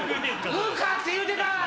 「むか」って言うてたわ！